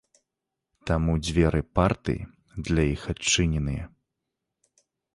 Таму дзверы партыі для іх адчыненыя.